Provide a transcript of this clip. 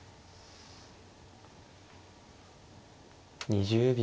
２０秒。